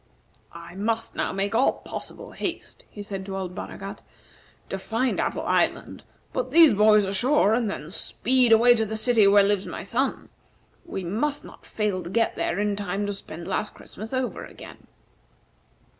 "I must now make all possible haste," he said to old Baragat, "to find Apple Island, put these boys ashore, and then speed away to the city where lives my son. We must not fail to get there in time to spend last Christmas over again."